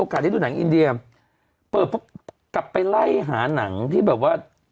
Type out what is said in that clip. ตอนต่อไปตอนต่อไปตอนต่อไป